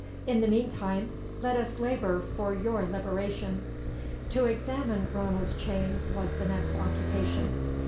"In the meantime, let us labour for your liberation." To examine Ranald's chain was the next occupation.